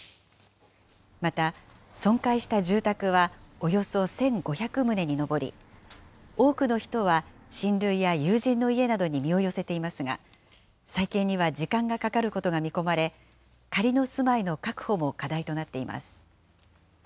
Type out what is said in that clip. また、損壊した住宅は、およそ１５００棟に上り、多くの人は親類や友人の家などに身を寄せていますが、再建には時間がかかることが見込まれ、仮の住まいの確保も課題となっています。